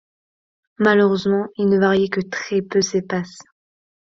Malheureusement, il ne variait que très peu ses passes.